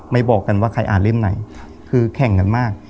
บอกกันว่าใครอ่านเล่มไหนคือแข่งกันมาก